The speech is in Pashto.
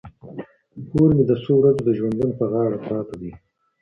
پور مي د څو ورځو د ژوندون پر غاړه پاته دی